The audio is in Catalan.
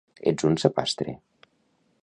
Ets un sapastre